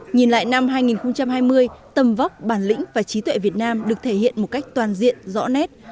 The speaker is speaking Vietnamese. nhìn lại năm hai nghìn hai mươi tầm vóc bản lĩnh và trí tuệ việt nam được thể hiện một cách toàn diện rõ nét